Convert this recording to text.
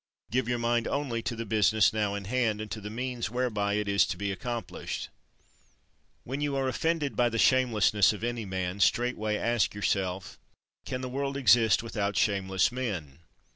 Give your mind only to the business now in hand and to the means whereby it is to be accomplished. 42. When you are offended by the shamelessness of any man, straightway ask yourself: Can the world exist without shameless men?